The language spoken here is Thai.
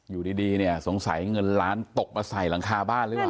อยู่ดีเนี่ยสงสัยเงินล้านตกมาใส่หลังคาบ้านหรือเปล่า